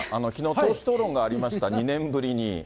党首討論がありました、２年ぶりに。